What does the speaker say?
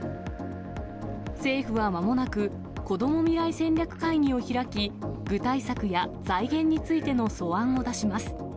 政府はまもなく、こども未来戦略会議を開き、具体策や財源についての素案を出します。